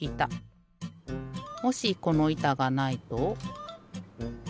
もしこのいたがないと。